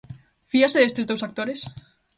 Fíase destes dous actores?